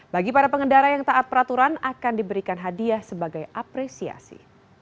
bagi para pengendara yang taat peraturan akan diberikan hadiah sebagai apresiasi